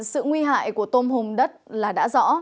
sự nguy hại của tôm hùm đất là đã rõ